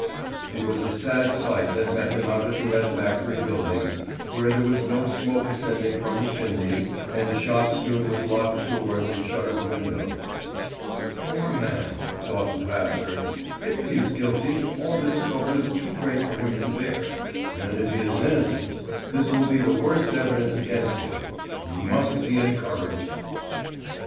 It was a sad sight that met him out at the red factory buildings, where there was no smoke ascending from the chimneys, and the shop stood with locked doors and shuttered windows. "Poor man!" thought the pastor. "If he is guilty, all this trouble is too great for him to bear; and if he is innocent, this will be the worst evidence against him. He must be encouraged."